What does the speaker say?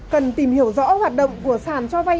cần tìm hiểu rõ hoạt động của sản cho vay